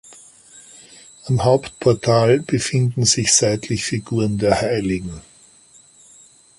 Am Hauptportal befinden sich seitlich Figuren der hl.